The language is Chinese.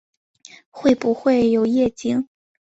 会不会有夜景